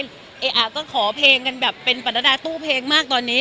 ส่วนให้ไอ้อาก็ขอเพลงกันแบบเป็นปรรดาตู้เพลงมากตอนนี้